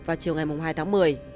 và chiều ngày hai tháng một mươi